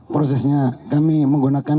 prosesnya kami menggunakan